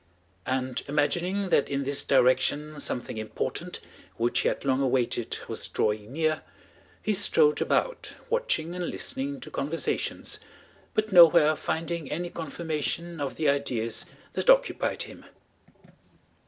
And imagining that in this direction something important which he had long awaited was drawing near, he strolled about watching and listening to conversations, but nowhere finding any confirmation of the ideas that occupied him.